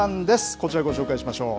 こちらご紹介しましょう。